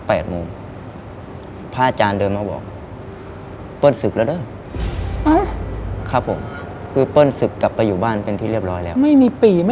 แปดโมงพระอาจารย์เดินมาบอกเปิ้ลศึกแล้วด้วยครับผม